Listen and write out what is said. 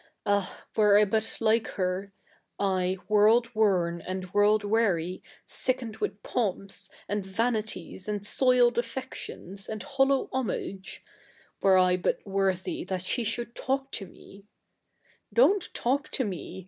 Ah I were I hut like her —/, world worn and world weary, sickened with poinps, and vanities^ a?td soiled affections, and hollow homage — were I but worthy that she should talk to me